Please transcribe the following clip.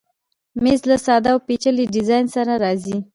مېز له ساده او پیچلي ډیزاین سره راځي.